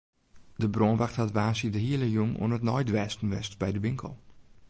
De brânwacht hat woansdei de hiele jûn oan it neidwêsten west by de winkel.